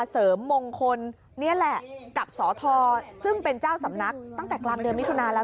เสริมมงคลนี่แหละกับสทซึ่งเป็นเจ้าสำนักตั้งแต่กลางเดือนมิถุนาแล้ว